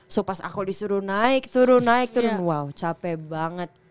so pas aku disuruh naik turun naik turun wow capek banget